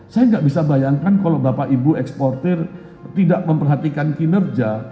saya nggak bisa bayangkan kalau bapak ibu eksportir tidak memperhatikan kinerja